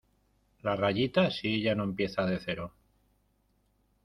la rayita. si ella no empieza de cero